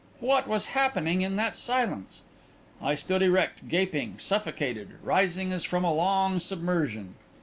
What was happening in that silence? I stood erect, gaping, suffocated, rising as from a long submersion.